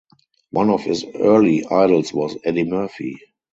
One of his early idols was Eddie Murphy.